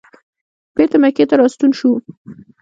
بېرته مکې ته راستون شو.